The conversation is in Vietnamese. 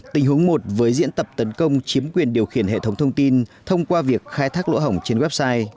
tình huống một với diễn tập tấn công chiếm quyền điều khiển hệ thống thông tin thông qua việc khai thác lỗ hổng trên website